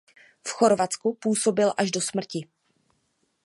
V Chorvatsku působil až do smrti.